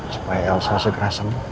supaya elsa segera sembuh